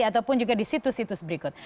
ataupun juga di situs situs berikut